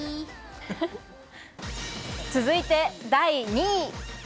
続いて第２位。